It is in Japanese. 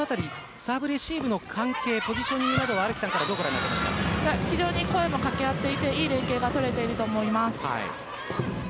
サーブレシーブの関係ポジショニングなどは非常に声も掛け合っていて良い連携が取れていると思います。